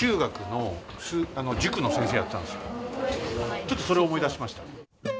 ちょっとそれを思い出しました。